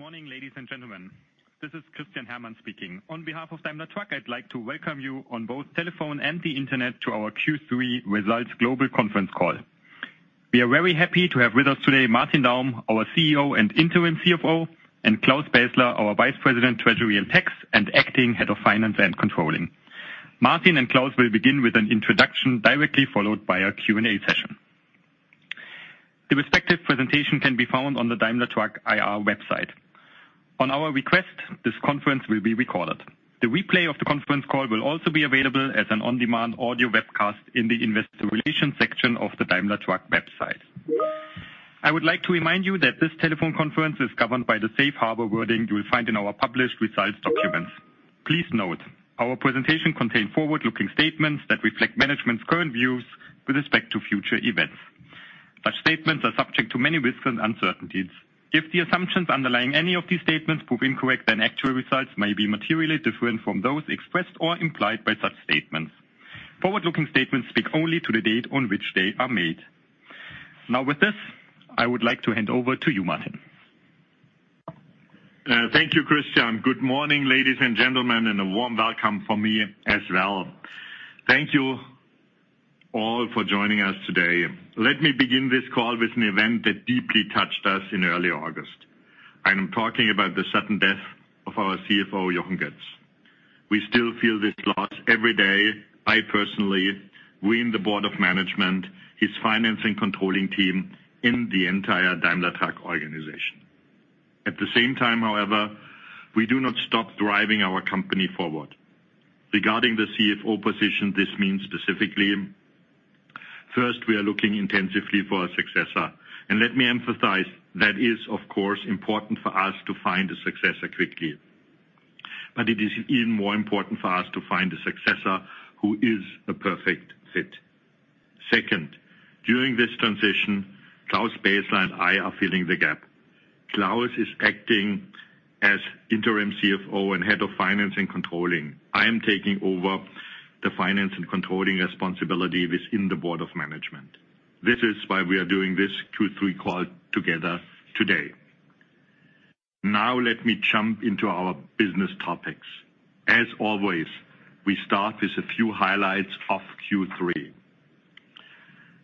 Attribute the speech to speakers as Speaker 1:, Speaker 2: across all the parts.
Speaker 1: Good morning, ladies and gentlemen. This is Christian Herrmann speaking. On behalf of Daimler Truck, I'd like to welcome you on both telephone and the Internet to our Q3 Results Global Conference Call. We are very happy to have with us today, Martin Daum, our CEO and Interim CFO, and Claus Bässler, our Vice President, Treasury and Tax, and Acting Head of Finance and Controlling. Martin and Claus will begin with an introduction, directly followed by a Q&A session. The respective presentation can be found on the Daimler Truck IR website. On our request, this conference will be recorded. The replay of the conference call will also be available as an on-demand audio webcast in the Investor Relations section of the Daimler Truck website. I would like to remind you that this telephone conference is governed by the safe harbor wording you will find in our published results documents. Please note, our presentation contains forward-looking statements that reflect management's current views with respect to future events. Such statements are subject to many risks and uncertainties. If the assumptions underlying any of these statements prove incorrect, then actual results may be materially different from those expressed or implied by such statements. Forward-looking statements speak only to the date on which they are made. Now, with this, I would like to hand over to you, Martin.
Speaker 2: Thank you, Christian. Good morning, ladies and gentlemen, and a warm welcome from me as well. Thank you all for joining us today. Let me begin this call with an event that deeply touched us in early August. I am talking about the sudden death of our CFO, Jochen Goetz. We still feel this loss every day, I personally, we in the board of management, his finance and controlling team, in the entire Daimler Truck organization. At the same time, however, we do not stop driving our company forward. Regarding the CFO position, this means specifically, first, we are looking intensively for a successor. And let me emphasize, that is, of course, important for us to find a successor quickly. But it is even more important for us to find a successor who is a perfect fit. Second, during this transition, Claus Bässler and I are filling the gap. Claus is acting as interim CFO and Head of Finance and Controlling. I am taking over the finance and controlling responsibility within the board of management. This is why we are doing this Q3 call together today. Now, let me jump into our business topics. As always, we start with a few highlights of Q3.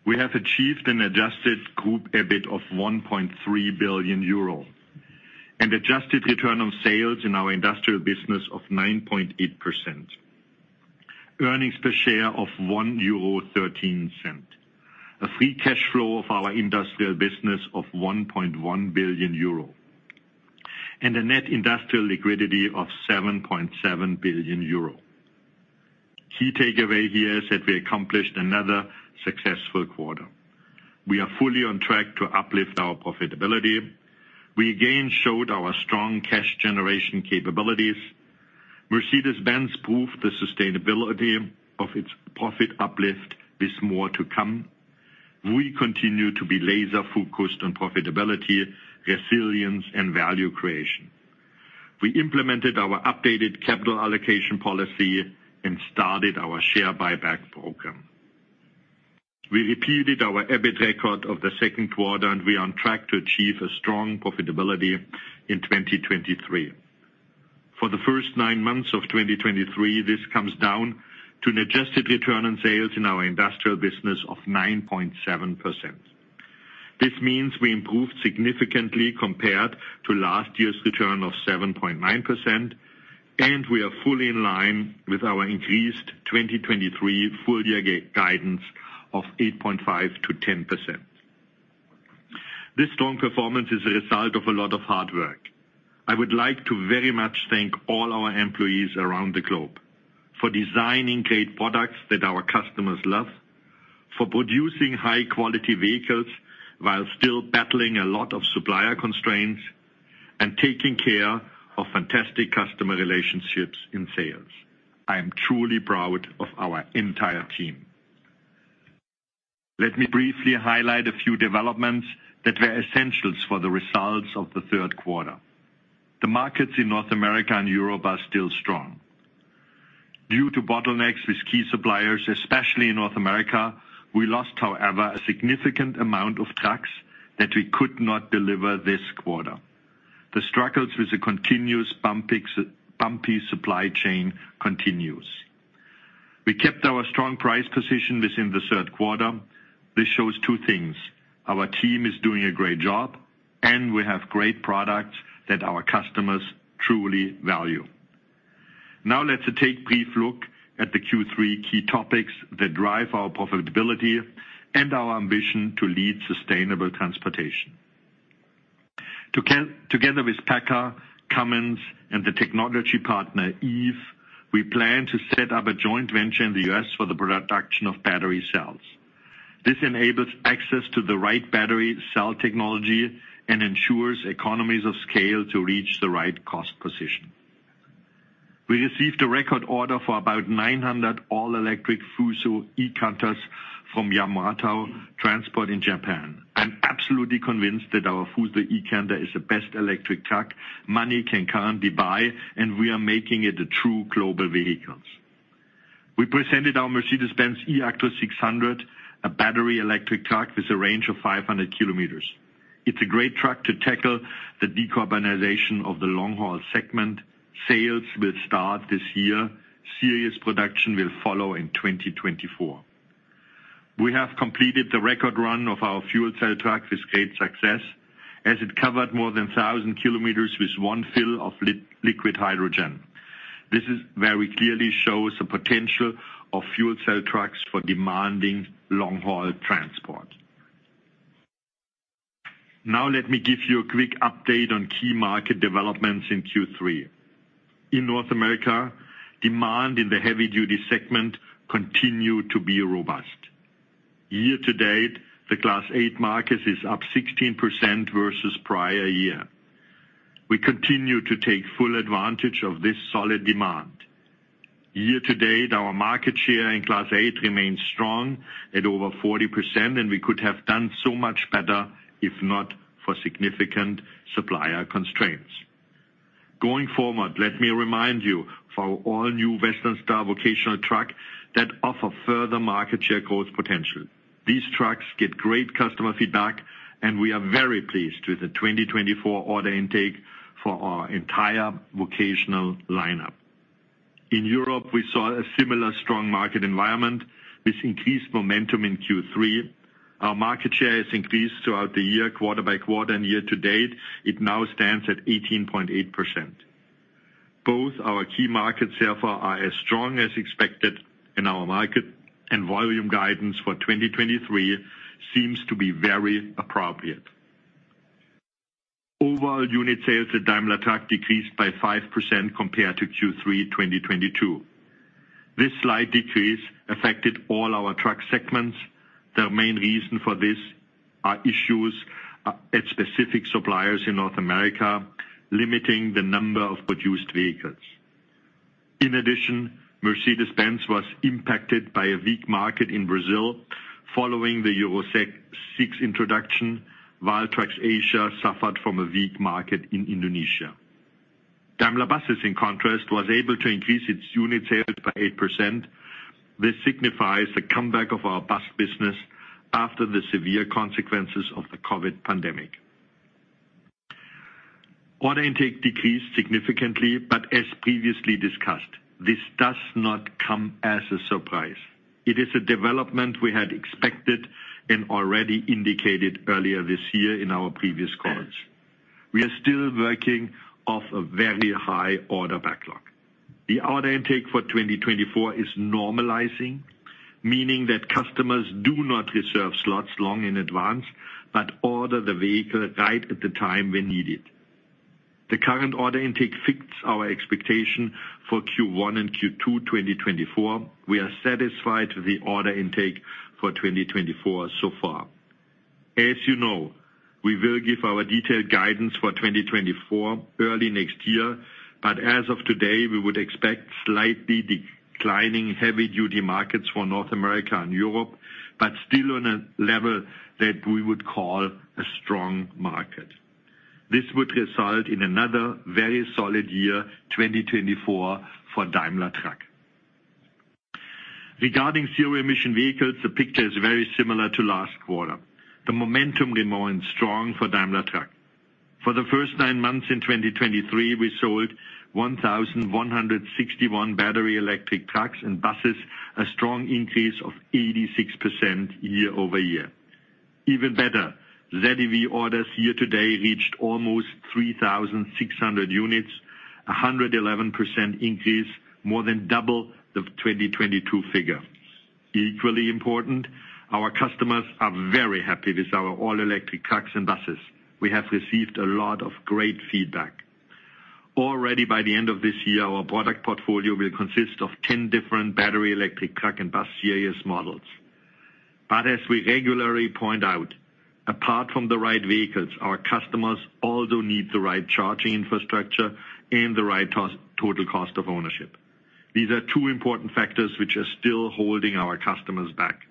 Speaker 2: We have achieved an adjusted group EBIT of 1.3 billion euro, and adjusted return on sales in our industrial business of 9.8%. Earnings per share of 1.13 euro. A free cash flow of our industrial business of 1.1 billion euro, and a net industrial liquidity of 7.7 billion euro. Key takeaway here is that we accomplished another successful quarter. We are fully on track to uplift our profitability. We again showed our strong cash generation capabilities. Mercedes-Benz proved the sustainability of its profit uplift with more to come. We continue to be laser focused on profitability, resilience, and value creation. We implemented our updated capital allocation policy and started our share buyback program. We repeated our EBIT record of the second quarter, and we are on track to achieve a strong profitability in 2023. For the first nine months of 2023, this comes down to an adjusted return on sales in our industrial business of 9.7%. This means we improved significantly compared to last year's return of 7.9%, and we are fully in line with our increased 2023 full year guidance of 8.5%-10%. This strong performance is a result of a lot of hard work. I would like to very much thank all our employees around the globe for designing great products that our customers love, for producing high quality vehicles while still battling a lot of supplier constraints, and taking care of fantastic customer relationships in sales. I am truly proud of our entire team. Let me briefly highlight a few developments that were essential for the results of the third quarter. The markets in North America and Europe are still strong. Due to bottlenecks with key suppliers, especially in North America, we lost, however, a significant amount of trucks that we could not deliver this quarter. The struggles with the continuous, bumpy supply chain continues. We kept our strong price position within the third quarter. This shows two things: our team is doing a great job, and we have great products that our customers truly value. Now, let's take brief look at the Q3 key topics that drive our profitability and our ambition to lead sustainable transportation. Together with PACCAR, Cummins, and the technology partner, EVE, we plan to set up a joint venture in the U.S. for the production of battery cells. This enables access to the right battery cell technology and ensures economies of scale to reach the right cost position. We received a record order for about 900 all-electric FUSO eCanters from Yamato Transport in Japan. I'm absolutely convinced that our FUSO eCanter is the best electric truck money can currently buy, and we are making it a true global vehicles. We presented our Mercedes-Benz eActros 600, a battery electric truck with a range of 500 km. It's a great truck to tackle the decarbonization of the long-haul segment. Sales will start this year. Series production will follow in 2024. We have completed the record run of our fuel cell truck with great success, as it covered more than 1,000 kilometers with one fill of liquid hydrogen. This very clearly shows the potential of fuel cell trucks for demanding long-haul transport. Now, let me give you a quick update on key market developments in Q3. In North America, demand in the heavy duty segment continued to be robust. Year to date, the Class 8 market is up 16% versus prior year. We continue to take full advantage of this solid demand. Year to date, our market share in Class 8 remains strong at over 40%, and we could have done so much better if not for significant supplier constraints. Going forward, let me remind you, for all new Western Star vocational truck that offer further market share growth potential. These trucks get great customer feedback, and we are very pleased with the 2024 order intake for our entire vocational lineup. In Europe, we saw a similar strong market environment with increased momentum in Q3. Our market share has increased throughout the year, quarter by quarter, and year to date, it now stands at 18.8%. Both our key markets, therefore, are as strong as expected in our market, and volume guidance for 2023 seems to be very appropriate. Overall, unit sales at Daimler Truck decreased by 5% compared to Q3 2022. This slight decrease affected all our truck segments. The main reason for this are issues at specific suppliers in North America, limiting the number of produced vehicles. In addition, Mercedes-Benz was impacted by a weak market in Brazil following the Euro VI introduction, while Trucks Asia suffered from a weak market in Indonesia. Daimler Buses, in contrast, was able to increase its unit sales by 8%. This signifies the comeback of our bus business after the severe consequences of the COVID pandemic. Order intake decreased significantly, but as previously discussed, this does not come as a surprise. It is a development we had expected and already indicated earlier this year in our previous calls. We are still working off a very high order backlog. The order intake for 2024 is normalizing, meaning that customers do not reserve slots long in advance, but order the vehicle right at the time when needed. The current order intake fits our expectation for Q1 and Q2 2024. We are satisfied with the order intake for 2024 so far. As you know, we will give our detailed guidance for 2024 early next year, but as of today, we would expect slightly declining heavy-duty markets for North America and Europe, but still on a level that we would call a strong market. This would result in another very solid year, 2024, for Daimler Truck. Regarding zero-emission vehicles, the picture is very similar to last quarter. The momentum remains strong for Daimler Truck. For the first nine months in 2023, we sold 1,161 battery electric trucks and buses, a strong increase of 86% year-over-year. Even better, ZEV orders year to date reached almost 3,600 units, a 111% increase, more than double the 2022 figure. Equally important, our customers are very happy with our all-electric trucks and buses. We have received a lot of great feedback. Already, by the end of this year, our product portfolio will consist of 10 different battery electric truck and bus series models. But as we regularly point out, apart from the right vehicles, our customers also need the right charging infrastructure and the right total cost of ownership. These are two important factors which are still holding our customers back.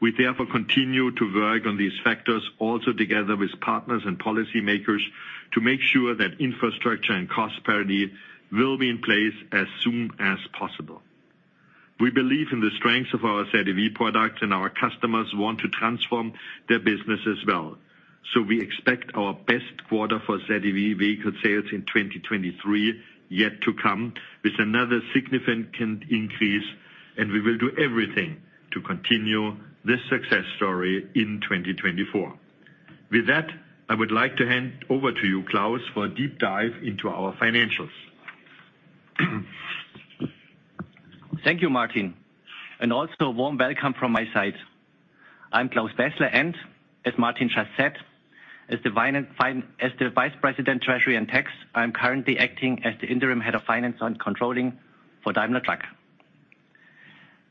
Speaker 2: We, therefore, continue to work on these factors, also together with partners and policymakers, to make sure that infrastructure and cost parity will be in place as soon as possible. We believe in the strength of our ZEV product, and our customers want to transform their business as well. We expect our best quarter for ZEV vehicle sales in 2023, yet to come, with another significant increase, and we will do everything to continue this success story in 2024. With that, I would like to hand over to you, Claus, for a deep dive into our financials.
Speaker 3: Thank you, Martin. Also, warm welcome from my side. I'm Claus Bässler, and as Martin just said, as the Vice President, Treasury and Tax, I am currently acting as the Acting Head of Finance and Controlling for Daimler Truck.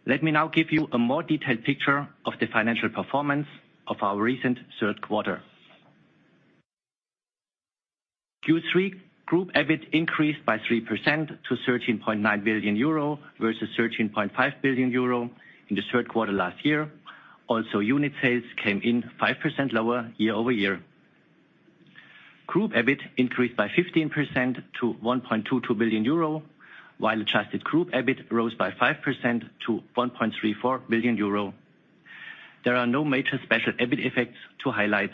Speaker 3: Let me now give you a more detailed picture of the financial performance of our recent third quarter. Q3, Group EBIT increased by 3% to 13.9 billion euro, versus 13.5 billion euro in the third quarter last year. Also, unit sales came in 5% lower year-over-year.... Group EBIT increased by 15% to 1.22 billion euro, while adjusted Group EBIT rose by 5% to 1.34 billion euro. There are no major special EBIT FX to highlight.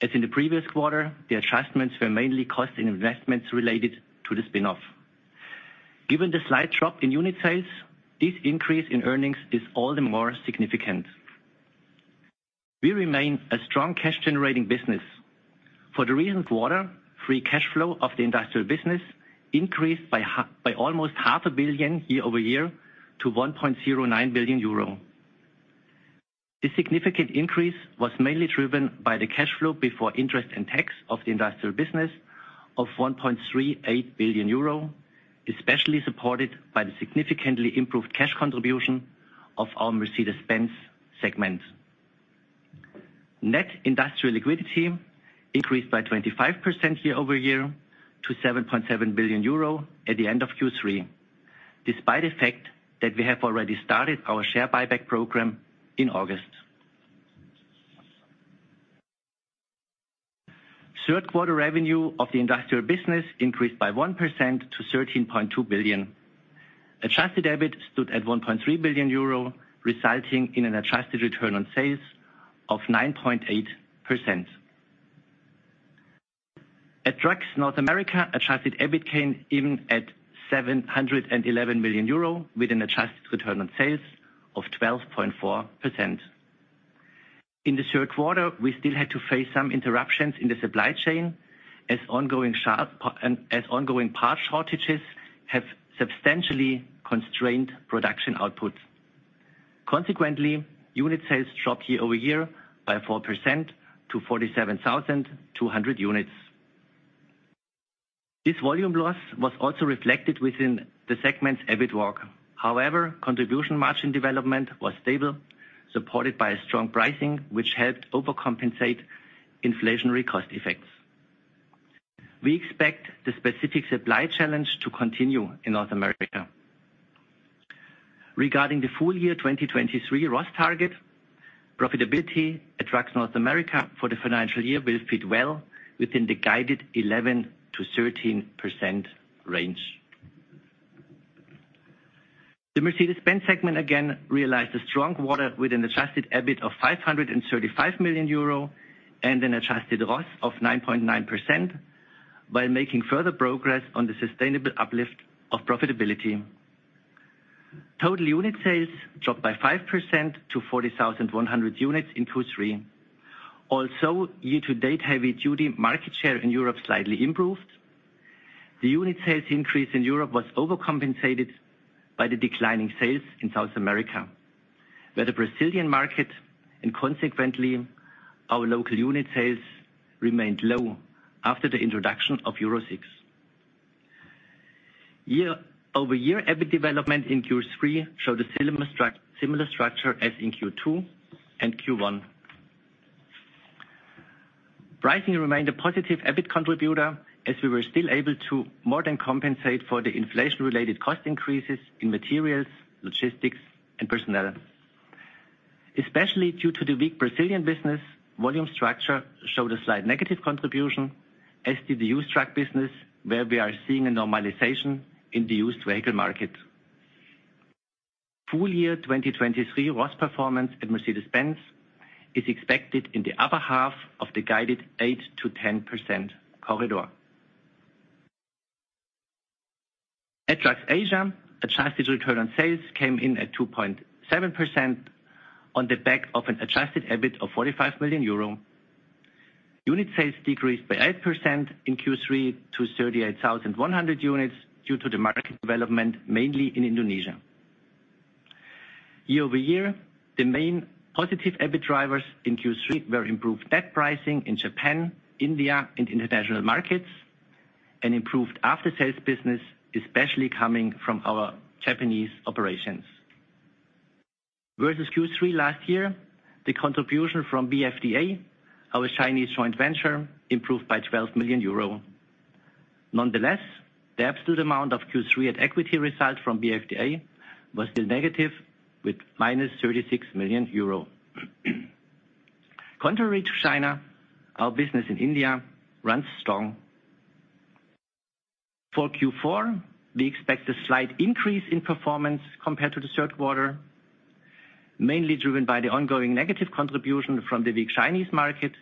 Speaker 3: As in the previous quarter, the adjustments were mainly cost and investments related to the spin-off. Given the slight drop in unit sales, this increase in earnings is all the more significant. We remain a strong cash-generating business. For the recent quarter, free cash flow of the industrial business increased by half, by almost 500 million year-over-year to 1.09 billion euro. The significant increase was mainly driven by the cash flow before interest and tax of the industrial business of 1.38 billion euro, especially supported by the significantly improved cash contribution of our Mercedes-Benz segment. Net industrial liquidity increased by 25% year-over-year to 7.7 billion euro at the end of Q3, despite the fact that we have already started our share buyback program in August. Third quarter revenue of the industrial business increased by 1% to 13.2 billion. Adjusted EBIT stood at 1.3 billion euro, resulting in an adjusted return on sales of 9.8%. At Trucks North America, adjusted EBIT came in at 711 million euro, with an adjusted return on sales of 12.4%. In the third quarter, we still had to face some interruptions in the supply chain, as ongoing part shortages have substantially constrained production output. Consequently, unit sales dropped year-over-year by 4% to 47,200 units. This volume loss was also reflected within the segment's EBIT wark. However, contribution margin development was stable, supported by a strong pricing, which helped overcompensate inflationary cost effects. We expect the specific supply challenge to continue in North America. Regarding the full year 2023 ROS target, profitability at Trucks North America for the financial year will fit well within the guided 11%-13% range. The Mercedes-Benz segment again realized a strong quarter with an adjusted EBIT of 535 million euro and an adjusted ROS of 9.9%, while making further progress on the sustainable uplift of profitability. Total unit sales dropped by 5% to 40,100 units in Q3. Also, year-to-date, heavy-duty market share in Europe slightly improved. The unit sales increase in Europe was overcompensated by the declining sales in South America, where the Brazilian market, and consequently our local unit sales, remained low after the introduction of Euro VI. Year-over-year, EBIT development in Q3 showed a similar structure as in Q2 and Q1. Pricing remained a positive EBIT contributor, as we were still able to more than compensate for the inflation-related cost increases in materials, logistics, and personnel. Especially due to the weak Brazilian business, volume structure showed a slight negative contribution, as did the used truck business, where we are seeing a normalization in the used vehicle market. Full year 2023 ROS performance at Mercedes-Benz is expected in the upper half of the guided 8%-10% corridor. At Trucks Asia, adjusted return on sales came in at 2.7% on the back of an adjusted EBIT of 45 million euro. Unit sales decreased by 8% in Q3 to 38,100 units due to the market development, mainly in Indonesia. Year-over-year, the main positive EBIT drivers in Q3 were improved net pricing in Japan, India, and international markets, and improved after-sales business, especially coming from our Japanese operations. Versus Q3 last year, the contribution from BFDA, our Chinese joint venture, improved by 12 million euro. Nonetheless, the absolute amount of Q3 at equity result from BFDA was still negative, with minus 36 million euro. Contrary to China, our business in India runs strong. For Q4, we expect a slight increase in performance compared to the third quarter, mainly driven by the ongoing negative contribution from the weak Chinese market.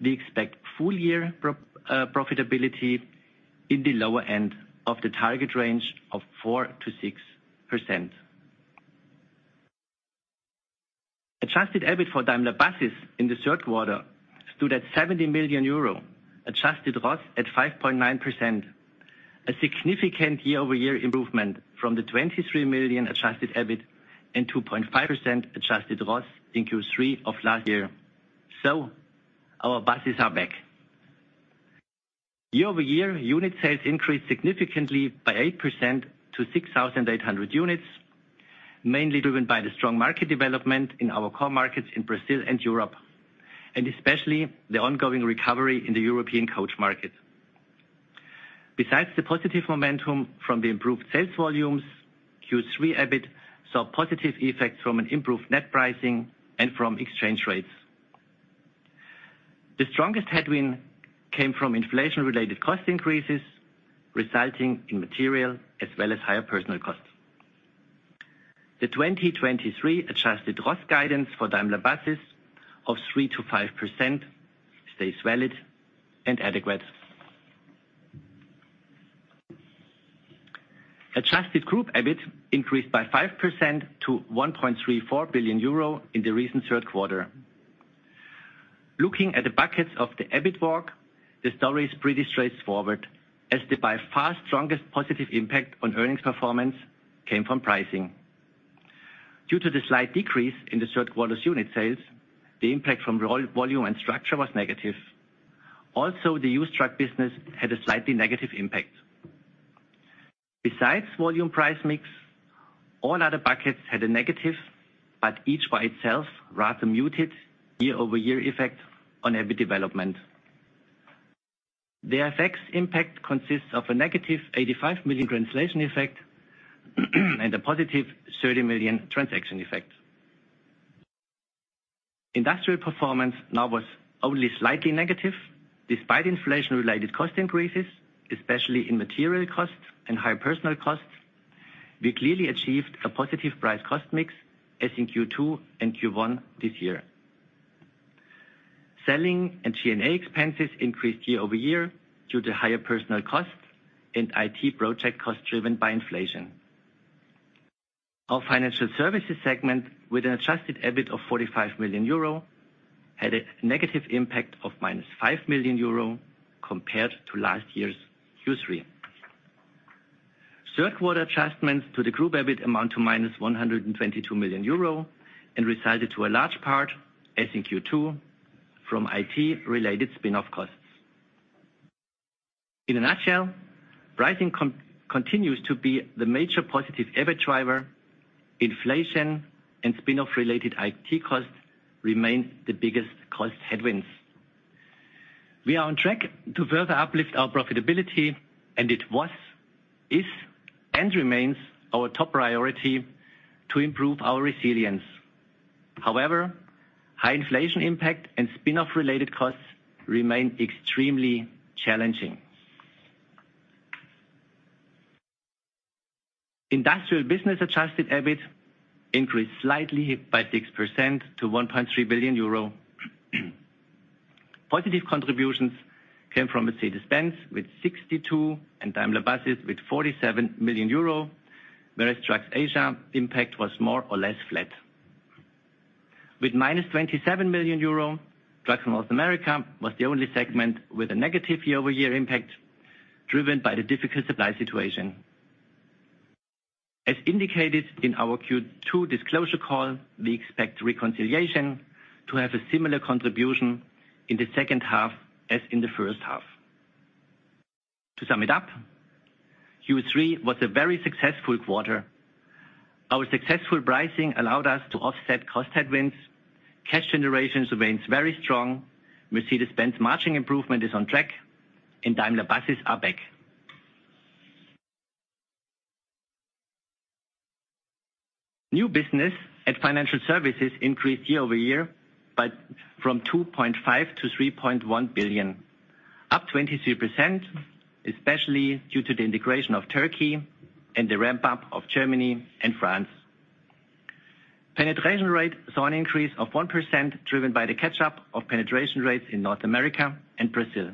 Speaker 3: We expect full year profitability in the lower end of the target range of 4%-6%. Adjusted EBIT for Daimler Buses in the third quarter stood at 70 million euro, adjusted ROS at 5.9%, a significant year-over-year improvement from the 23 million adjusted EBIT and 2.5% adjusted ROS in Q3 of last year. So our buses are back. Year-over-year, unit sales increased significantly by 8% to 6,800 units, mainly driven by the strong market development in our core markets in Brazil and Europe, and especially the ongoing recovery in the European coach market. Besides the positive momentum from the improved sales volumes, Q3 EBIT saw positive effects from an improved net pricing and from exchange rates. The strongest headwind came from inflation-related cost increases, resulting in material as well as higher personnel costs. The 2023 adjusted ROS guidance for Daimler Buses of 3%-5% stays valid and adequate. Adjusted group EBIT increased by 5% to 1.34 billion euro in the recent third quarter. Looking at the buckets of the EBIT walk, the story is pretty straightforward, as the by far strongest positive impact on earnings performance came from pricing. Due to the slight decrease in the third quarter's unit sales, the impact from volume and structure was negative. Also, the used truck business had a slightly negative impact. Besides volume price mix, all other buckets had a negative, but each by itself, rather muted year-over-year effect on EBIT development. The effects impact consists of a negative 85 million translation effect, and a positive 30 million transaction effect. Industrial performance now was only slightly negative, despite inflation-related cost increases, especially in material costs and higher personal costs. We clearly achieved a positive price cost mix as in Q2 and Q1 this year. Selling and G&A expenses increased year-over-year due to higher personal costs and IT project costs driven by inflation. Our Financial Services segment, with an adjusted EBIT of 45 million euro, had a negative impact of -5 million euro compared to last year's Q3. Third quarter adjustments to the group EBIT amount to -122 million euro and resulted to a large part, as in Q2, from IT-related spin-off costs. In a nutshell, pricing continues to be the major positive EBIT driver. Inflation and spin-off related IT costs remain the biggest cost headwinds. We are on track to further uplift our profitability, and it was, is, and remains our top priority to improve our resilience. However, high inflation impact and spin-off related costs remain extremely challenging. Industrial business adjusted EBIT increased slightly by 6% to 1.3 billion euro. Positive contributions came from Mercedes-Benz with 62 million and Daimler Buses with 47 million euro, whereas Trucks Asia impact was more or less flat. With -27 million euro, Trucks North America was the only segment with a negative year-over-year impact, driven by the difficult supply situation. As indicated in our Q2 disclosure call, we expect reconciliation to have a similar contribution in the second half as in the first half. To sum it up, Q3 was a very successful quarter. Our successful pricing allowed us to offset cost headwinds. Cash generation remains very strong. Mercedes-Benz margin improvement is on track and Daimler Buses are back. New business at Financial Services increased year over year, but from 2.5 billion to 3.1 billion, up 23%, especially due to the integration of Turkey and the ramp-up of Germany and France. Penetration rate saw an increase of 1%, driven by the catch-up of penetration rates in North America and Brazil.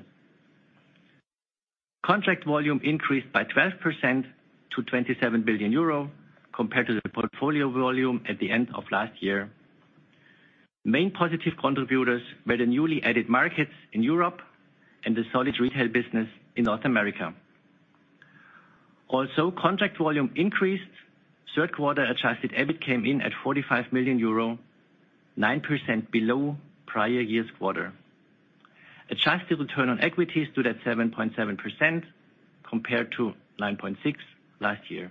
Speaker 3: Contract volume increased by 12% to 27 billion euro compared to the portfolio volume at the end of last year. Main positive contributors were the newly added markets in Europe and the solid retail business in North America. Also, contract volume increased. Third quarter adjusted EBIT came in at 45 million euro, 9% below prior year's quarter. Adjusted return on equity stood at 7.7%, compared to 9.6% last year.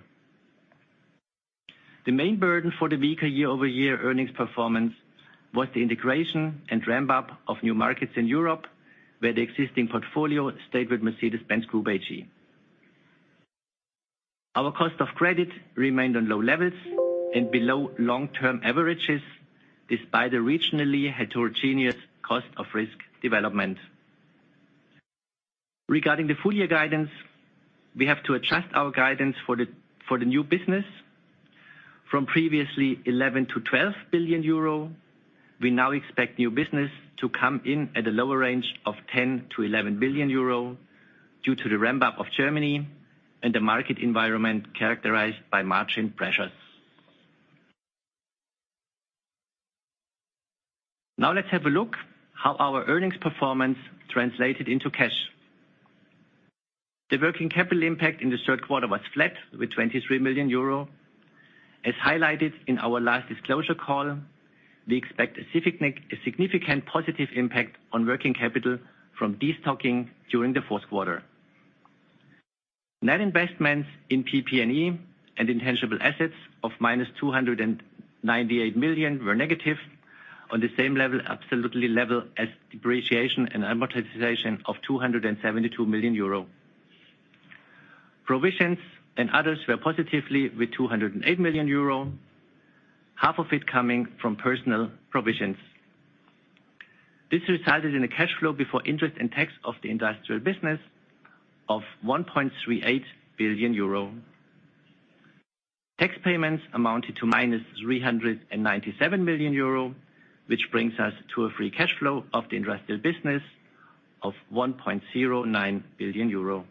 Speaker 3: The main burden for the weaker year-over-year earnings performance was the integration and ramp-up of new markets in Europe, where the existing portfolio stayed with Mercedes-Benz Group AG. Our cost of credit remained on low levels and below long-term averages, despite the regionally heterogeneous cost of risk development. Regarding the full year guidance, we have to adjust our guidance for the new business from previously 11 billion-12 billion euro. We now expect new business to come in at a lower range of 10 billion-11 billion euro, due to the ramp-up of Germany and the market environment characterized by margin pressures. Now let's have a look how our earnings performance translated into cash. The working capital impact in the third quarter was flat, with 23 million euro. As highlighted in our last disclosure call, we expect a significant positive impact on working capital from destocking during the fourth quarter. Net investments in PP&E and intangible assets of -298 million were negative on the same level, absolutely level as depreciation and amortization of 272 million euro. Provisions and others were positively with 208 million euro, half of it coming from personnel provisions. This resulted in a cash flow before interest and tax of the industrial business of 1.38 billion euro. Tax payments amounted to -397 million euro, which brings us to a free cash flow of the industrial business of 1.09 billion euro.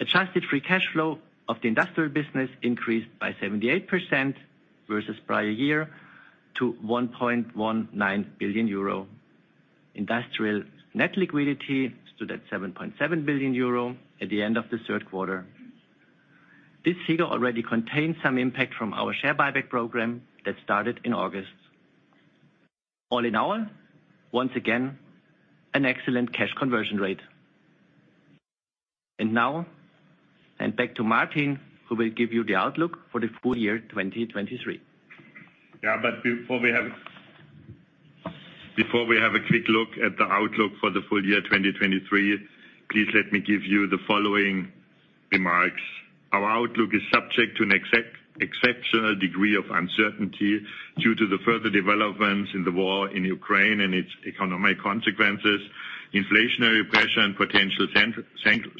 Speaker 3: Adjusted free cash flow of the industrial business increased by 78% versus prior year to 1.19 billion euro. Industrial net liquidity stood at 7.7 billion euro at the end of the third quarter. This figure already contains some impact from our share buyback program that started in August. All in all, once again, an excellent cash conversion rate. Now, back to Martin, who will give you the outlook for the full year 2023.
Speaker 2: Yeah, but before we have a quick look at the outlook for the full year 2023, please let me give you the following remarks. Our outlook is subject to an exceptional degree of uncertainty due to the further developments in the war in Ukraine and its economic consequences, inflationary pressure, and potential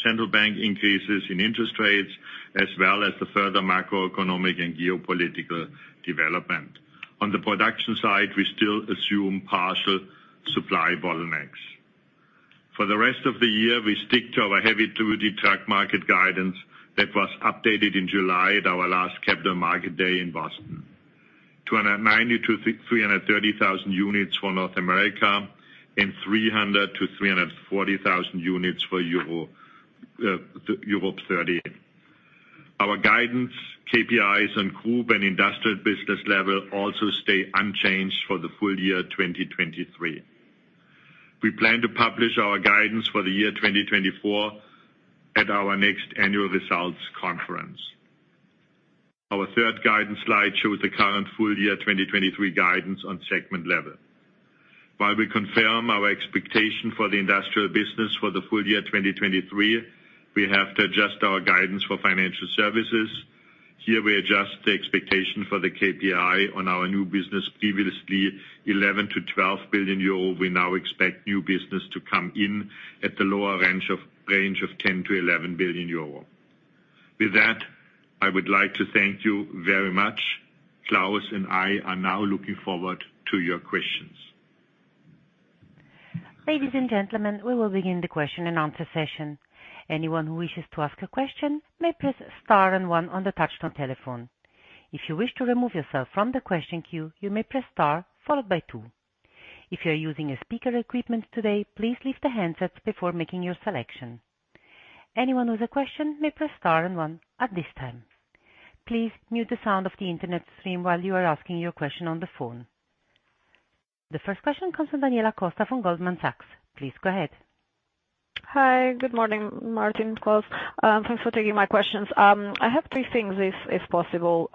Speaker 2: central bank increases in interest rates, as well as the further macroeconomic and geopolitical development. On the production side, we still assume partial supply bottlenecks. For the rest of the year, we stick to our heavy-duty truck market guidance that was updated in July at our last Capital Market Day in Boston. 290-330 thousand units for North America and 300-340 thousand units for Europe, thirty. Our guidance, KPIs on group and industrial business level, also stay unchanged for the full year 2023. We plan to publish our guidance for the year 2024 at our next annual results conference. Our third guidance slide shows the current full year 2023 guidance on segment level. While we confirm our expectation for the industrial business for the full year 2023, we have to adjust our guidance for Financial Services. Here we adjust the expectation for the KPI on our new business. Previously, 11 billion-12 billion euro, we now expect new business to come in at the lower range of ten to eleven billion euro. With that, I would like to thank you very much. Claus and I are now looking forward to your questions.
Speaker 4: Ladies and gentlemen, we will begin the question-and-answer session. Anyone who wishes to ask a question may press star and one on the touchtone telephone. If you wish to remove yourself from the question queue, you may press star followed by two. If you are using a speaker equipment today, please leave the handsets before making your selection. Anyone with a question may press star and one at this time. Please mute the sound of the internet stream while you are asking your question on the phone. The first question comes from Daniela Costa from Goldman Sachs. Please go ahead.
Speaker 5: Hi, good morning, Martin. Claus, thanks for taking my questions. I have three things if possible.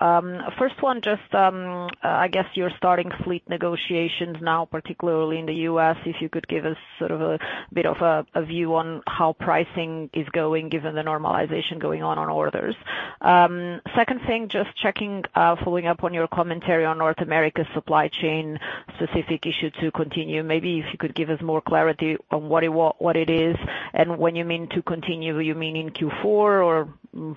Speaker 5: First one, just I guess you're starting fleet negotiations now, particularly in the U.S. If you could give us sort of a bit of a view on how pricing is going given the normalization going on on orders. Second thing, just checking, following up on your commentary on North America supply chain, specific issue to continue. Maybe if you could give us more clarity on what it is, and when you mean to continue, you mean in Q4 or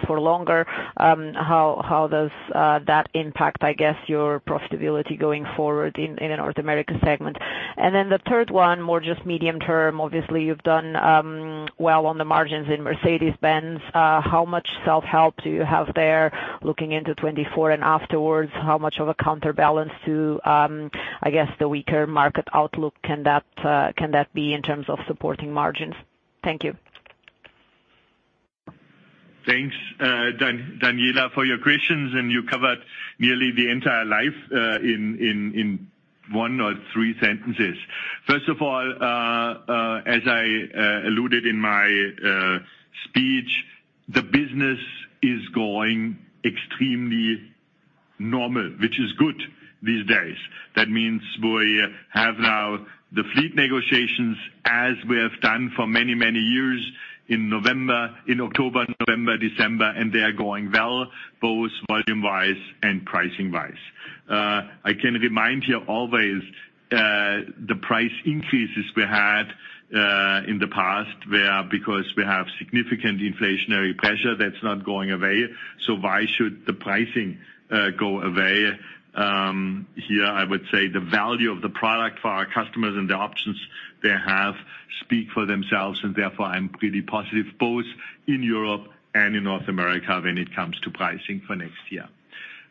Speaker 5: for longer? How does that impact, I guess, your profitability going forward in the North America segment? And then the third one, more just medium term. Obviously, you've done well on the margins in Mercedes-Benz. How much self-help do you have there looking into 2024 and afterwards? How much of a counterbalance to, I guess, the weaker market outlook can that be in terms of supporting margins? Thank you.
Speaker 2: Thanks, Daniela, for your questions, and you covered nearly the entire life in one or three sentences. First of all, as I alluded in my speech, the business is going extremely normal, which is good these days. That means we have now the fleet negotiations, as we have done for many, many years in November, in October, November, December, and they are going well, both volume-wise and pricing-wise. I can remind you always, the price increases we had in the past were because we have significant inflationary pressure that's not going away, so why should the pricing go away? Here, I would say the value of the product for our customers and the options they have speak for themselves, and therefore, I'm pretty positive, both in Europe and in North America, when it comes to pricing for next year.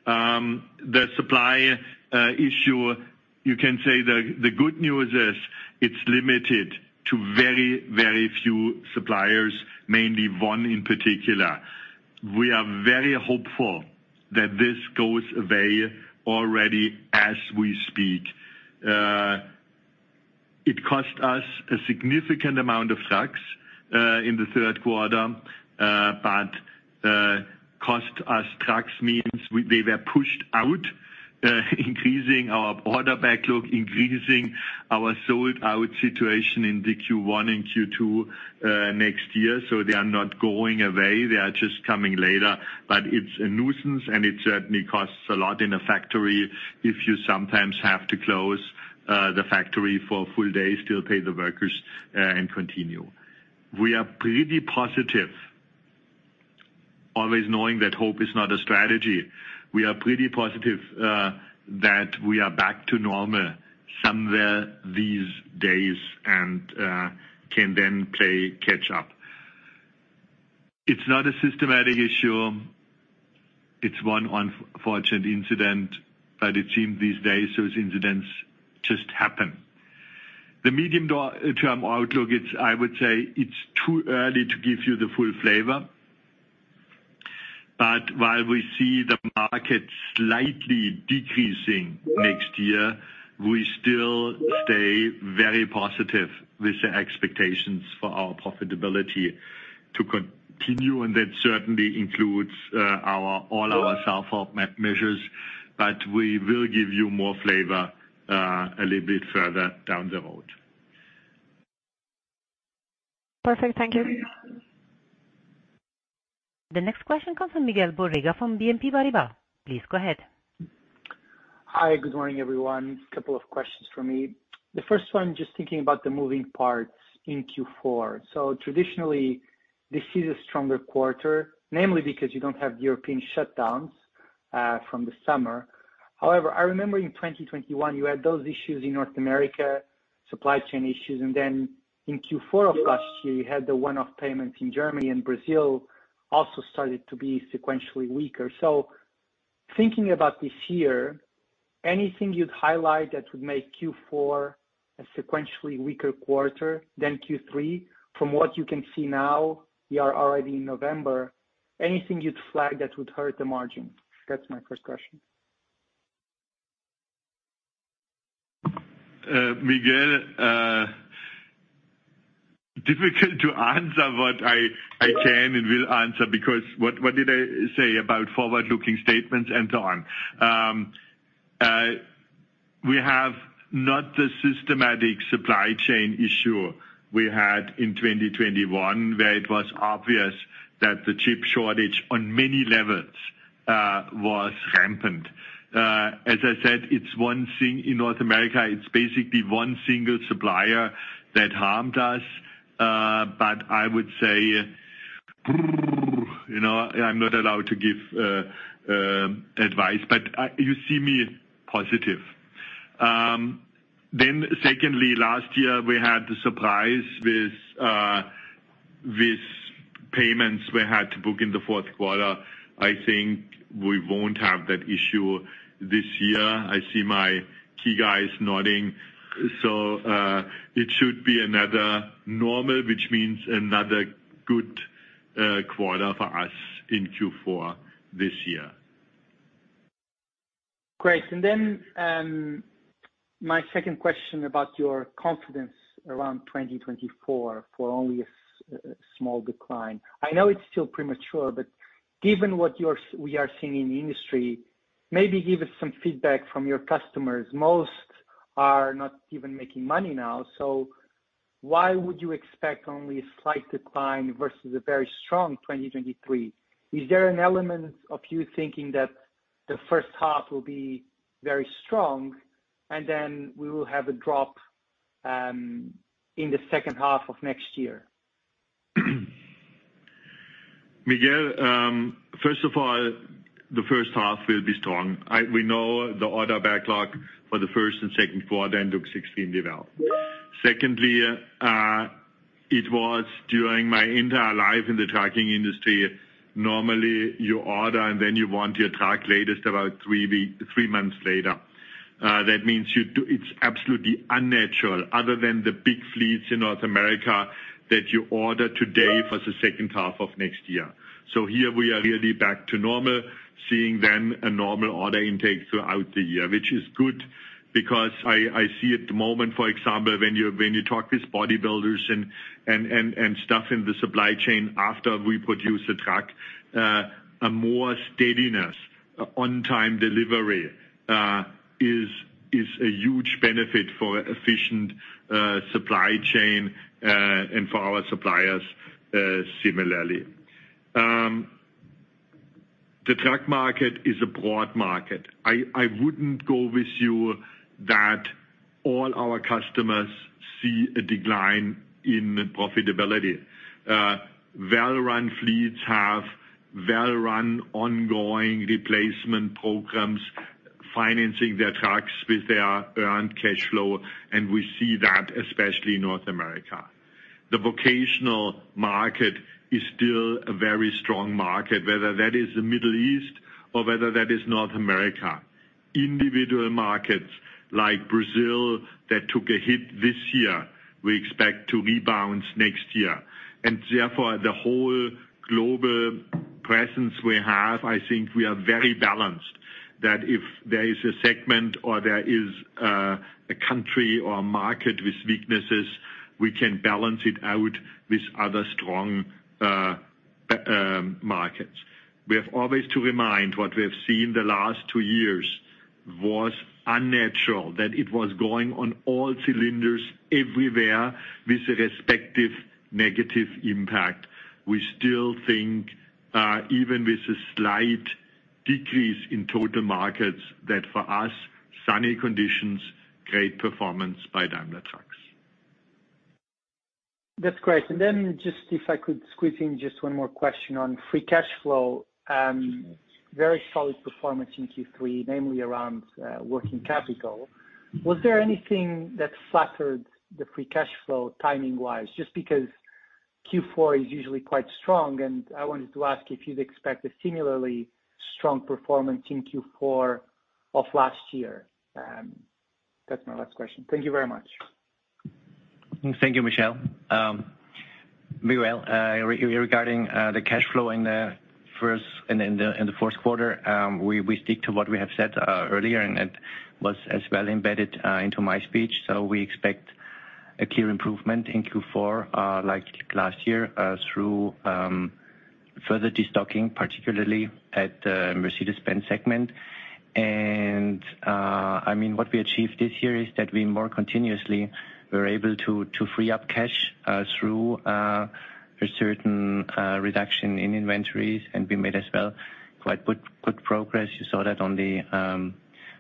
Speaker 2: The supply issue, you can say the good news is, it's limited to very, very few suppliers, mainly one in particular. We are very hopeful that this goes away already as we speak. It cost us a significant amount of trucks in the third quarter. But cost us trucks means they were pushed out, increasing our order backlog, increasing our sold-out situation in the Q1 and Q2 next year. So they are not going away, they are just coming later. But it's a nuisance, and it certainly costs a lot in a factory if you sometimes have to close the factory for a full day, still pay the workers, and continue. We are pretty positive, always knowing that hope is not a strategy. We are pretty positive that we are back to normal somewhere these days, and can then play catch up. It's not a systematic issue. It's one unfortunate incident, but it seems these days, those incidents just happen. The medium-term outlook, I would say it's too early to give you the full flavor. But while we see the market slightly decreasing next year, we still stay very positive with the expectations for our profitability to continue, and that certainly includes all our measures. But we will give you more flavor a little bit further down the road.
Speaker 5: Perfect. Thank you.
Speaker 4: The next question comes from Miguel Borrega from BNP Paribas. Please go ahead.
Speaker 6: Hi, good morning, everyone. A couple of questions for me. The first one, just thinking about the moving parts in Q4. So traditionally, this is a stronger quarter, namely because you don't have the European shutdowns, from the summer. However, I remember in 2021, you had those issues in North America, supply chain issues, and then in Q4 of last year, you had the one-off payments in Germany and Brazil also started to be sequentially weaker. So thinking about this year, anything you'd highlight that would make Q4 a sequentially weaker quarter than Q3? From what you can see now, we are already in November. Anything you'd flag that would hurt the margin? That's my first question.
Speaker 2: Miguel, difficult to answer, but I can and will answer, because what did I say about forward-looking statements and so on? We have not the systematic supply chain issue we had in 2021, where it was obvious that the chip shortage on many levels was rampant. As I said, it's one thing in North America, it's basically one single supplier that harmed us. But I would say, brr, you know, I'm not allowed to give advice, but I you see me positive. Then secondly, last year we had the surprise with payments we had to book in the fourth quarter. I think we won't have that issue this year. I see my key guys nodding. So, it should be another normal, which means another good quarter for us in Q4 this year.
Speaker 6: Great. And then, my second question about your confidence around 2024 for only a small decline. I know it's still premature, but given what we are seeing in the industry, maybe give us some feedback from your customers. Most are not even making money now, so why would you expect only a slight decline versus a very strong 2023? Is there an element of you thinking that the first half will be very strong, and then we will have a drop, in the second half of next year?
Speaker 2: Miguel, first of all, the first half will be strong. We know the order backlog for the first and second quarter looks extremely well. Secondly, it was during my entire life in the trucking industry, normally, you order and then you want your truck latest, about three weeks, three months later. That means it's absolutely unnatural, other than the big fleets in North America, that you order today for the second half of next year. So here we are really back to normal, seeing then a normal order intake throughout the year. Which is good, because I see at the moment, for example, when you talk with bodybuilders and stuff in the supply chain after we produce a truck, a more steadiness, on-time delivery is a huge benefit for efficient supply chain and for our suppliers, similarly. The truck market is a broad market. I wouldn't go with you that all our customers see a decline in profitability. Well-run fleets have well-run, ongoing replacement programs, financing their trucks with their earned cash flow, and we see that especially in North America. The vocational market is still a very strong market, whether that is the Middle East or whether that is North America. Individual markets like Brazil, that took a hit this year, we expect to rebound next year. Therefore, the whole global presence we have, I think we are very balanced, that if there is a segment or a country or a market with weaknesses, we can balance it out with other strong markets. We have always to remind what we have seen the last two years was unnatural, that it was going on all cylinders everywhere with a respective negative impact. We still think, even with a slight decrease in total markets, that for us, sunny conditions, great performance by Daimler Trucks.
Speaker 7: That's great. And then just if I could squeeze in just one more question on free cash flow. Very solid performance in Q3, namely around working capital. Was there anything that flattered the free cash flow timing-wise? Just because Q4 is usually quite strong, and I wanted to ask if you'd expect a similarly strong performance in Q4 of last year. That's my last question. Thank you very much.
Speaker 3: Thank you, Miguel. Very well, regarding the cash flow in the fourth quarter, we stick to what we have said earlier, and it was as well embedded into my speech. So we expect a clear improvement in Q4, like last year, through further destocking, particularly at the Mercedes-Benz segment. And, I mean, what we achieved this year is that we more continuously were able to free up cash through a certain reduction in inventories, and we made as well quite good progress. You saw that on the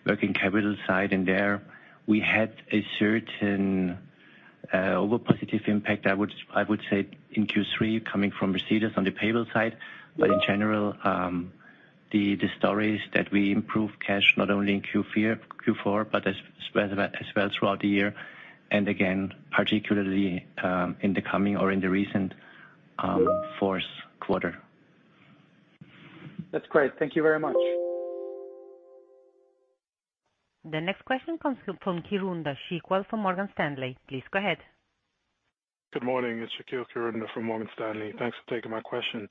Speaker 3: working capital side in there. We had a certain overpositive impact, I would say, in Q3 coming from Mercedes on the payable side. But in general, the story is that we improve cash not only in Q4, but as well throughout the year, and again, particularly, in the coming or in the recent fourth quarter.
Speaker 6: That's great. Thank you very much.
Speaker 4: The next question comes from Shaqeal Kirunda from Morgan Stanley. Please go ahead. Good morning. It's Kishore Dasaraju from Morgan Stanley. Thanks for taking my question.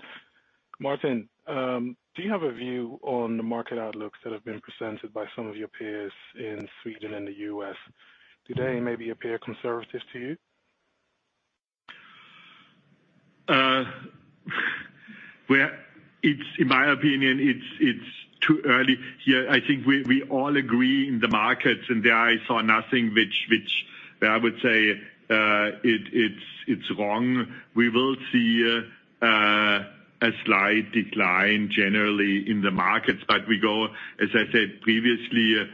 Speaker 4: Martin, do you have a view on the market outlooks that have been presented by some of your peers in Sweden and the US? Do they maybe appear conservative to you?
Speaker 2: Well, in my opinion, it's too early here. I think we all agree in the markets, and there I saw nothing which I would say it is wrong. We will see a slight decline generally in the markets, but we go, as I said previously,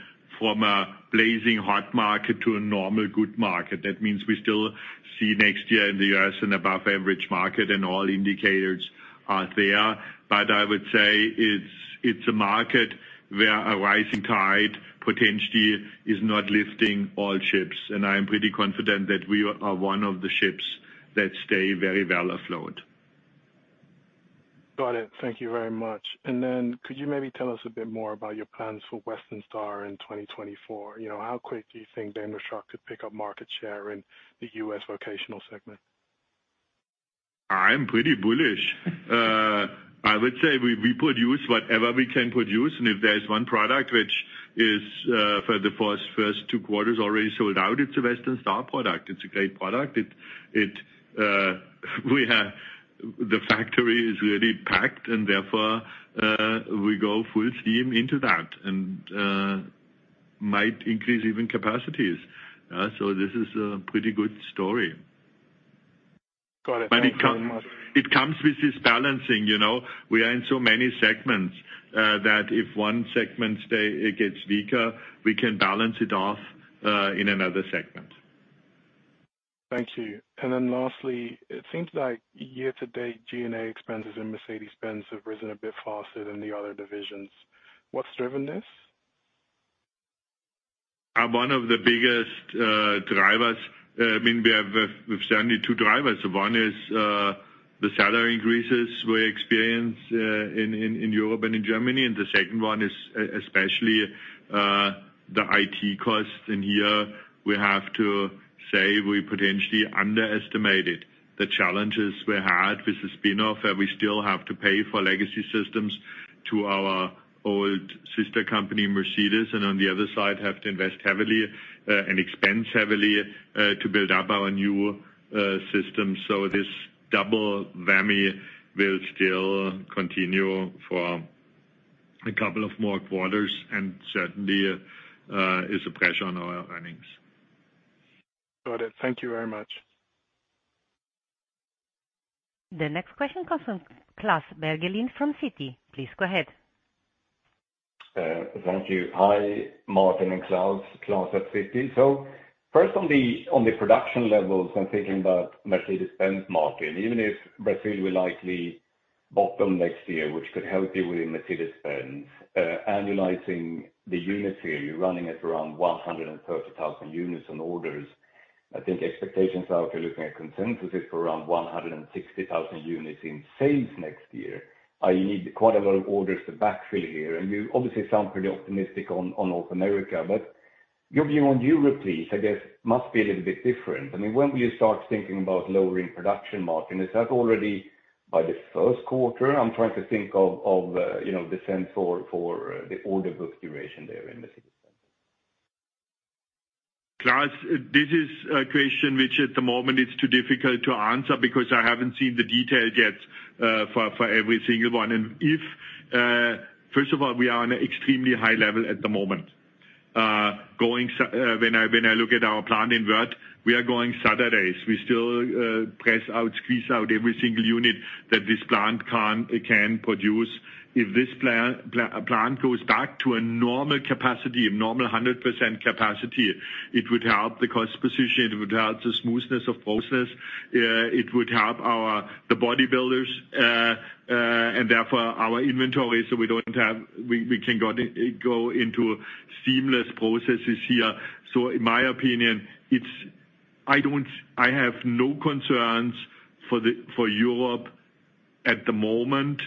Speaker 2: from a blazing hot market to a normal good market. That means we still see next year in the U.S. an above average market, and all indicators are there. But I would say it's a market where a rising tide potentially is not lifting all ships, and I am pretty confident that we are one of the ships that stay very well afloat.
Speaker 8: Got it. Thank you very much. And then could you maybe tell us a bit more about your plans for Western Star in 2024? You know, how quick do you think Daimler Truck could pick up market share in the U.S. vocational segment?
Speaker 2: I'm pretty bullish. I would say we produce whatever we can produce, and if there's one product which is for the first two quarters already sold out, it's a Western Star product. It's a great product. We have... The factory is really packed, and therefore we go full steam into that and might increase even capacities. So this is a pretty good story.
Speaker 8: Got it. Thank you very much.
Speaker 2: But it comes with this balancing, you know? We are in so many segments that if one segment gets weaker, we can balance it off in another segment.
Speaker 8: Thank you. Then lastly, it seems like year to date, G&A expenses in Mercedes-Benz have risen a bit faster than the other divisions. What's driven this?
Speaker 2: One of the biggest drivers, I mean, we've certainly two drivers. One is the salary increases we experience in Europe and in Germany, and the second one is especially the IT costs. Here we have to say we potentially underestimated the challenges we had with the spin-off, and we still have to pay for legacy systems to our old sister company, Mercedes, and on the other side, have to invest heavily and expense heavily to build up our new system. So this double whammy will still continue for a couple of more quarters and certainly is a pressure on our earnings.
Speaker 8: Got it. Thank you very much.
Speaker 4: The next question comes from Klas Bergelind from Citi. Please go ahead.
Speaker 9: Thank you. Hi, Martin and Claus. Klas at Citi. So first on the production levels, I'm thinking about Mercedes-Benz market. Even if Brazil will likely bottom next year, which could help you with your Mercedes-Benz, annualizing the units here, you're running at around 130,000 units on orders. I think expectations are, if you're looking at consensus, is for around 160,000 units in sales next year. I need quite a lot of orders to backfill here, and you obviously sound pretty optimistic on North America, but-
Speaker 10: Your view on Europe, please. I guess must be a little bit different. I mean, when will you start thinking about lowering production margin? Is that already by the first quarter? I'm trying to think of, you know, the sense for the order book duration there in the system.
Speaker 2: Claus, this is a question which at the moment is too difficult to answer because I haven't seen the detail yet, for every single one. And first of all, we are on an extremely high level at the moment. When I look at our plant in Wörth, we are going Saturdays. We still press out, squeeze out every single unit that this plant can produce. If this plant goes back to a normal capacity, a normal 100% capacity, it would help the cost position, it would help the smoothness of processes. It would help our the bodybuilders, and therefore our inventory, so we don't have—we can go into seamless processes here. So in my opinion, it's... I don't, I have no concerns for the, for Europe at the moment.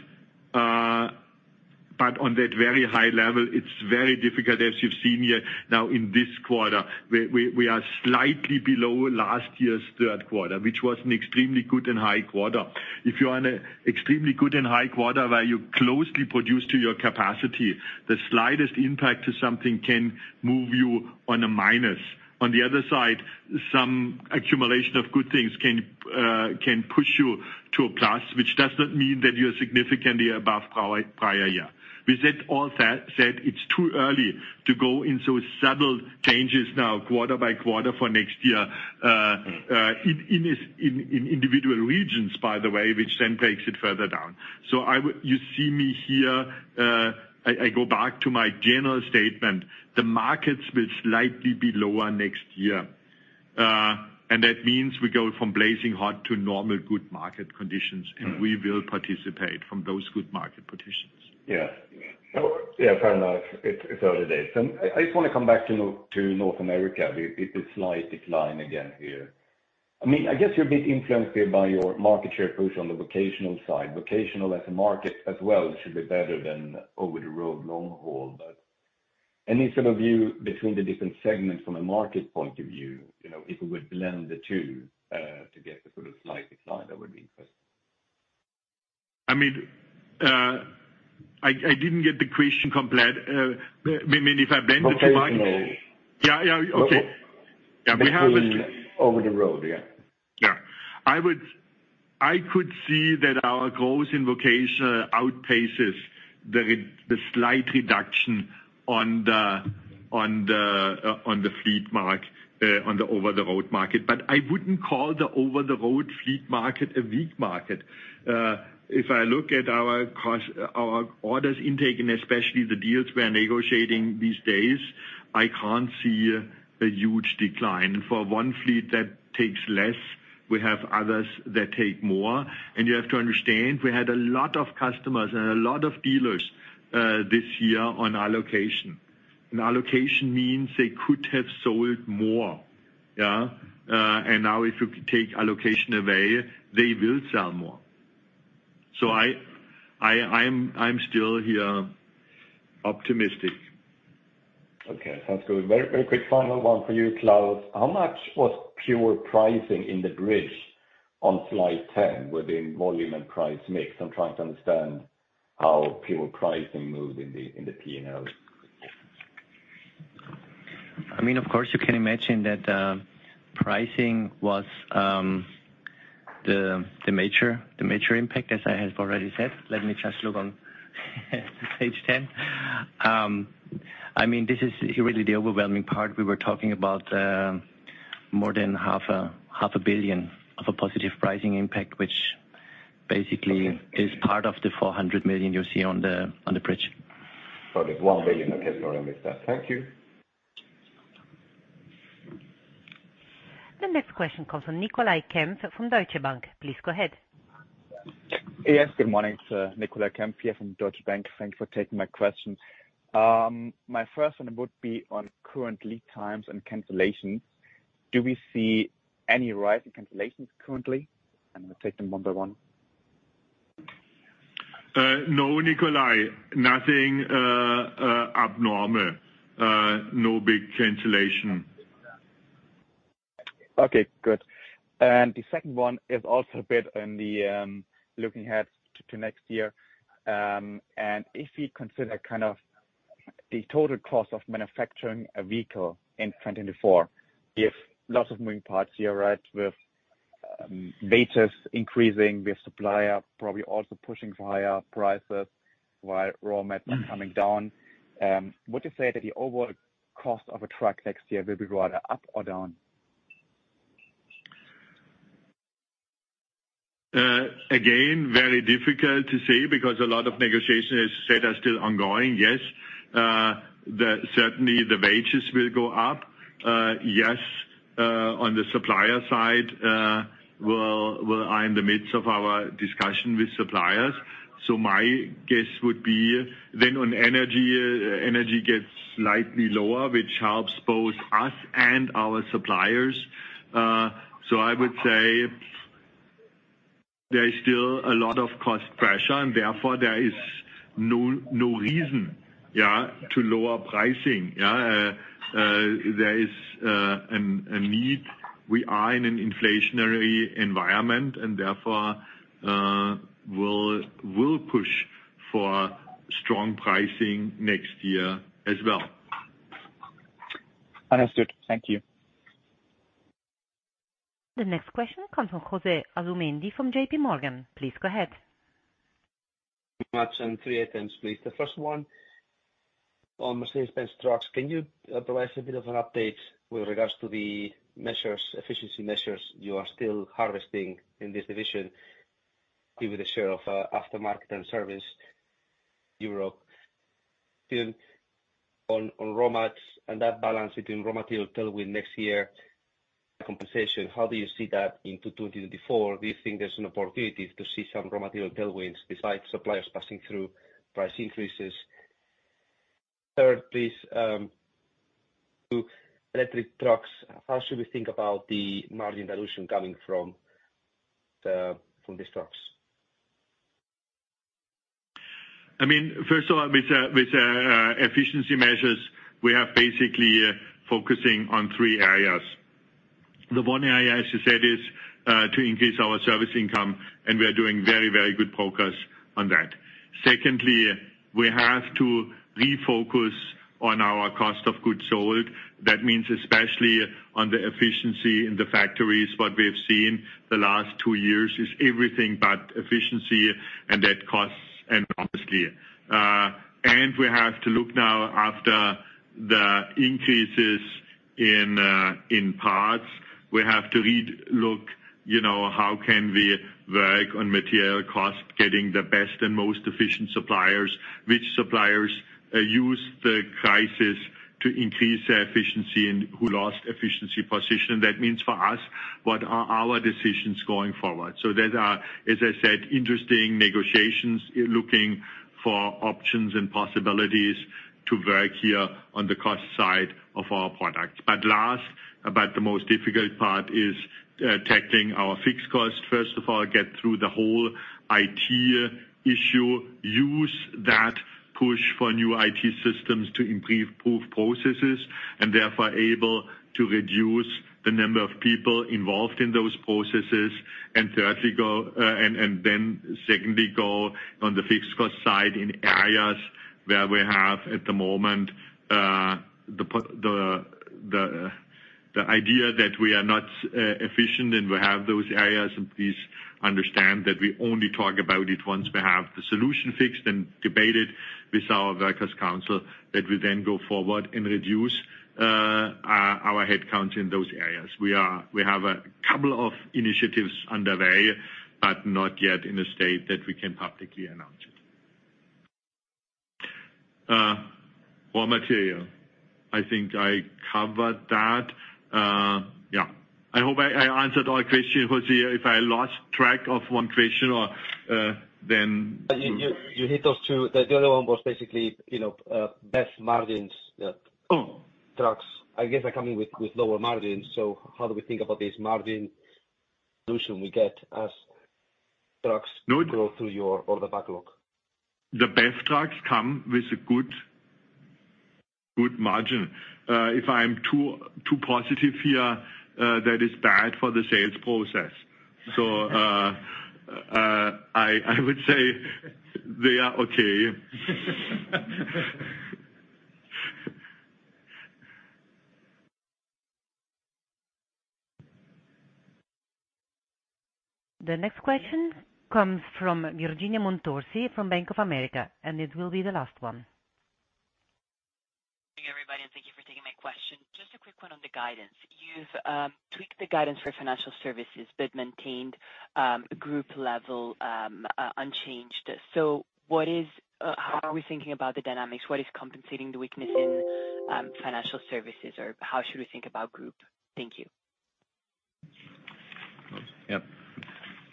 Speaker 2: But on that very high level, it's very difficult, as you've seen here now in this quarter. We are slightly below last year's third quarter, which was an extremely good and high quarter. If you are on an extremely good and high quarter where you closely produce to your capacity, the slightest impact to something can move you on a minus. On the other side, some accumulation of good things can push you to a plus, which does not mean that you are significantly above prior year. With that, all that said, it's too early to go into subtle changes now, quarter by quarter for next year, in individual regions, by the way, which then breaks it further down. So I would, you see me here, I go back to my general statement, the markets will slightly be lower next year. And that means we go from blazing hot to normal, good market conditions, and we will participate from those good market conditions.
Speaker 9: Yeah. Oh, yeah, fair enough. It's early days. I just want to come back to North America, with its slight decline again here. I mean, I guess you're a bit influenced here by your market share push on the vocational side. Vocational as a market as well should be better than over-the-road long haul. But any sort of view between the different segments from a market point of view, you know, if we would blend the two to get the sort of slight decline, that would be interesting.
Speaker 2: I mean, I didn't get the question complete. I mean, if I blend it to my-
Speaker 9: Vocational.
Speaker 2: Yeah, yeah. Okay. Yeah, we have a-
Speaker 9: Over the road, yeah.
Speaker 2: Yeah. I could see that our growth in vocational outpaces the slight reduction on the fleet market, on the over-the-road market. But I wouldn't call the over-the-road fleet market a weak market. If I look at our cost, our orders intake, and especially the deals we are negotiating these days, I can't see a huge decline. For one fleet that takes less, we have others that take more. And you have to understand, we had a lot of customers and a lot of dealers this year on allocation. And allocation means they could have sold more. Yeah? And now if you take allocation away, they will sell more. So I'm still here, optimistic.
Speaker 9: Okay, sounds good. Very, very quick, final one for you, Claus. How much was pure pricing in the bridge on slide 10, within volume and price mix? I'm trying to understand how pure pricing moved in the P&L.
Speaker 3: I mean, of course, you can imagine that, pricing was, the, the major, the major impact, as I have already said. Let me just look on page 10. I mean, this is really the overwhelming part. We were talking about, more than 500 million of a positive pricing impact, which basically is part of the 400 million you see on the bridge.
Speaker 9: So it's 1 billion, okay. No, I missed that. Thank you.
Speaker 4: The next question comes from Nicolai Kempf from Deutsche Bank. Please go ahead.
Speaker 11: Yes, good morning, sir. Nicolai Kempf here from Deutsche Bank. Thank you for taking my question. My first one would be on current lead times and cancellations. Do we see any rise in cancellations currently? And I'll take them one by one.
Speaker 2: No, Nicolai, nothing abnormal. No big cancellation.
Speaker 11: Okay, good. And the second one is also a bit on the looking ahead to next year. And if you consider kind of the total cost of manufacturing a vehicle in 2024, lots of moving parts here, right? With wages increasing, with supplier probably also pushing for higher prices, while raw materials are coming down. Would you say that the overall cost of a truck next year will be rather up or down?
Speaker 2: Again, very difficult to say because a lot of negotiations, as said, are still ongoing. Yes, certainly the wages will go up. Yes, on the supplier side, we are in the midst of our discussion with suppliers. So my guess would be then on energy, energy gets slightly lower, which helps both us and our suppliers. So I would say there is still a lot of cost pressure, and therefore, there is no reason, yeah, to lower pricing, yeah. There is a need. We are in an inflationary environment, and therefore, we'll push for strong pricing next year as well.
Speaker 3: Understood. Thank you.
Speaker 4: The next question comes from Jose Asumendi, from J.P. Morgan. Please go ahead.
Speaker 12: Thanks very much, and three items, please. The first one, on Mercedes-Benz Trucks, can you provide a bit of an update with regards to the measures, efficiency measures you are still harvesting in this division, given the share of aftermarket and service Europe? Then on raw materials, and that balance between raw material tailwind next year compensation, how do you see that into 2024? Do you think there's an opportunity to see some raw material tailwinds besides suppliers passing through price increases? Third, please, to electric trucks, how should we think about the margin dilution coming from these trucks?
Speaker 2: I mean, first of all, with efficiency measures, we are basically focusing on three areas. The one area, as you said, is to increase our service income, and we are doing very, very good progress on that. Secondly, we have to refocus on our cost of goods sold. That means especially on the efficiency in the factories. What we have seen the last two years is everything but efficiency and that costs, and obviously. And we have to look now after the increases in parts. We have to re-look, you know, how can we work on material costs, getting the best and most efficient suppliers? Which suppliers use the crisis to increase their efficiency and who lost efficiency position? That means for us, what are our decisions going forward? So there are, as I said, interesting negotiations, looking for options and possibilities to work here on the cost side of our products. But last but the most difficult part is tackling our fixed cost. First of all, get through the whole IT issue, use that push for new IT systems to improve processes, and therefore able to reduce the number of people involved in those processes. And thirdly, go and then secondly, go on the fixed cost side in areas where we have, at the moment, the idea that we are not efficient, and we have those areas. And please understand that we only talk about it once we have the solution fixed and debated with our works council, that we then go forward and reduce our headcount in those areas. We have a couple of initiatives underway, but not yet in a state that we can publicly announce it. Raw material. I think I covered that. Yeah. I hope I answered all questions, Jose. If I lost track of one question or then-
Speaker 12: You hit those two. The other one was basically, you know, BEV margins, trucks, I guess are coming with lower margins. So how do we think about this margin dilution we get as trucks-
Speaker 2: No.
Speaker 12: Go through your order backlog?
Speaker 2: The BEV trucks come with a good, good margin. If I'm too, too positive here, that is bad for the sales process. So, I would say they are okay.
Speaker 4: The next question comes from Virginia Montorsi from Bank of America, and this will be the last one.
Speaker 13: Good morning, everybody, and thank you for taking my question. Just a quick one on the guidance. You've tweaked the guidance for Financial services, but maintained group level unchanged. So what is how are we thinking about the dynamics? What is compensating the weakness in financial services, or how should we think about group? Thank you.
Speaker 3: Yep.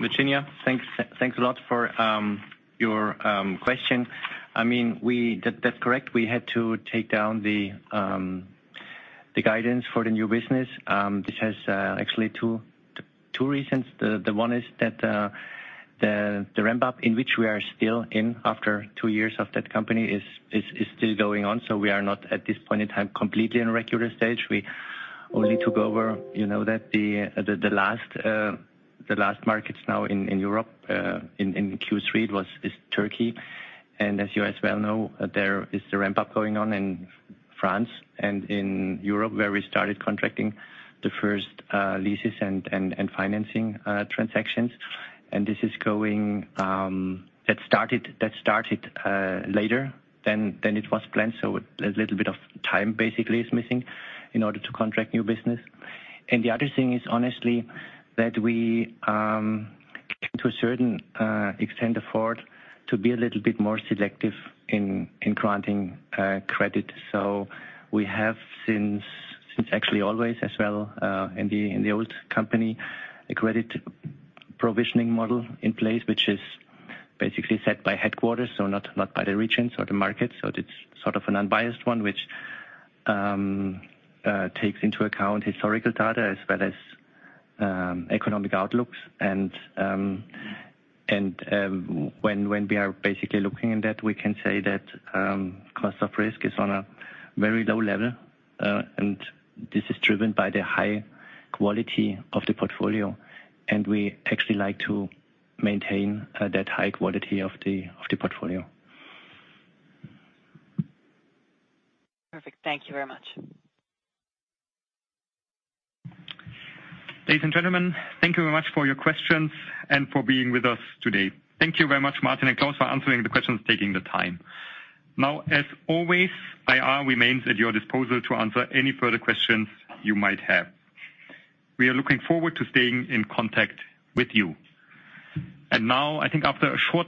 Speaker 3: Virginia, thanks, thanks a lot for your question. I mean, that's correct. We had to take down the guidance for the new business. This has actually two reasons. The one is that the ramp-up, in which we are still in after two years of that company, is still going on, so we are not, at this point in time, completely in regular stage. We only took over, you know, the last markets now in Europe, in Q3 was Turkey. And as you well know, there is a ramp-up going on in France and in Europe, where we started contracting the first leases and financing transactions. And this is going... That started later than it was planned, so a little bit of time basically is missing in order to contract new business. And the other thing is, honestly, that we to a certain extent afford to be a little bit more selective in granting credit. So we have since actually always as well in the old company a credit provisioning model in place, which is basically set by headquarters, so not by the regions or the markets. So it's sort of an unbiased one, which takes into account historical data as well as economic outlooks. When we are basically looking in that, we can say that cost of risk is on a very low level, and this is driven by the high quality of the portfolio, and we actually like to maintain that high quality of the portfolio.
Speaker 13: Perfect. Thank you very much.
Speaker 4: Ladies and gentlemen, thank you very much for your questions and for being with us today. Thank you very much, Martin and Claus, for answering the questions, taking the time. Now, as always, IR remains at your disposal to answer any further questions you might have. We are looking forward to staying in contact with you. And now, I think after a short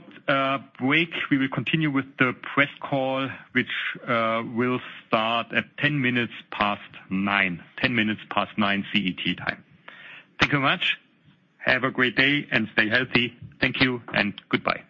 Speaker 4: break, we will continue with the press call, which will start at 9:10. 9:10, CET time. Thank you very much. Have a great day and stay healthy. Thank you and goodbye.